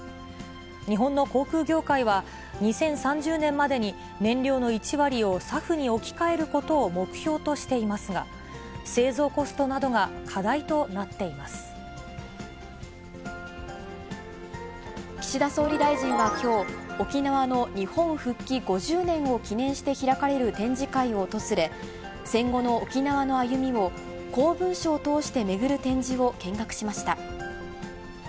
日本の航空業界は２０３０年までに燃料の１割をＳＡＦに置き換えることを目標としていますが、製造コストなどが課題となってい岸田総理大臣はきょう、沖縄の日本復帰５０年を記念して開かれる展示会を訪れ、戦後の沖縄の歩みを、公文書を通して巡る展示を見学しました。